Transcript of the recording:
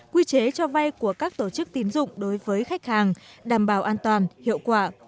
quy chế cho vay của các tổ chức tín dụng đối với khách hàng đảm bảo an toàn hiệu quả